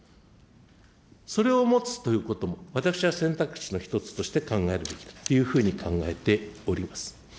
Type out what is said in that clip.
それを持つということも、私は選択肢の一つとして考えるべきというふうに考えております。